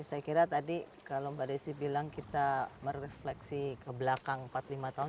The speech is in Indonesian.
saya kira tadi kalau mbak desi bilang kita merefleksi ke belakang empat lima tahun